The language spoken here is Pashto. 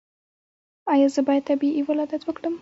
ایا زه باید طبیعي ولادت وکړم؟